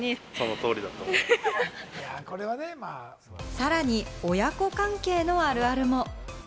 さらに親子関係のあるあるも。